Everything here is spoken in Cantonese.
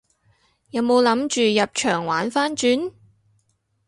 有冇諗住入場玩番轉？